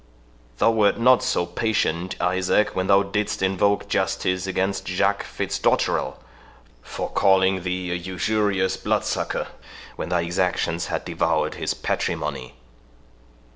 Thou wert not so patient, Isaac, when thou didst invoke justice against Jacques Fitzdotterel, for calling thee a usurious blood sucker, when thy exactions had devoured his patrimony."